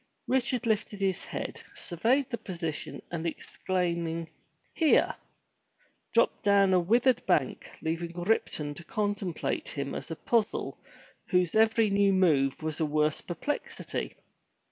'* Richard lifted his head, surveyed the position, and exclaim ing *'Here!'' dropped down on a withered bank, leaving Ripton to contemplate him as a puzzle whose every new move was a worse perplexity.